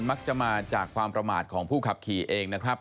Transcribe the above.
มักจะมาจากความประมาทของผู้ขับขี่เองนะครับ